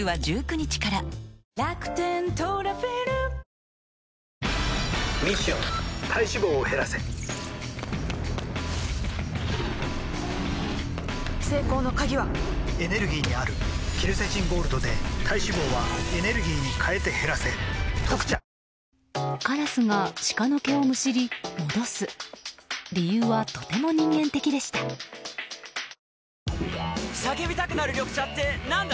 ミッション体脂肪を減らせ成功の鍵はエネルギーにあるケルセチンゴールドで体脂肪はエネルギーに変えて減らせ「特茶」叫びたくなる緑茶ってなんだ？